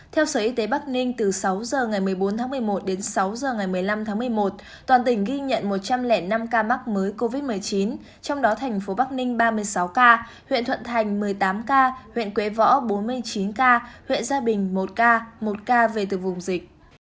theo sở y tế bắc ninh từ sáu h ngày một mươi bốn tháng một mươi một đến sáu h ngày một mươi năm tháng một mươi một toàn tỉnh ghi nhận một trăm linh năm ca mắc mới covid một mươi chín trong đó thành phố bắc ninh ba mươi sáu ca huyện thuận thành một mươi tám ca huyện quế võ bốn mươi chín ca huyện gia bình một ca một ca về từ vùng dịch